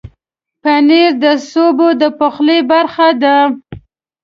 پنېر د سبو د پخلي برخه ده.